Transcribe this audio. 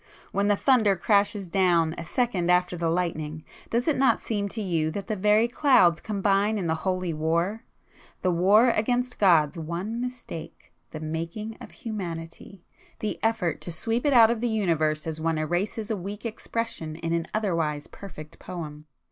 When the thunder crashes down a second after the lightning, does it not seem to you that the very clouds combine in the holy war? The war against God's one mistake;—the making of humanity,—the effort to sweep it out of the universe as one erases a weak expression in an otherwise perfect Poem!